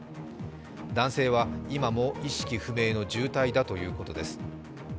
男性は今も意識不明の重体だということです。